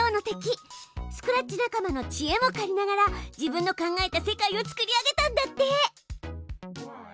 スクラッチ仲間のちえも借りながら自分の考えた世界を作り上げたんだって！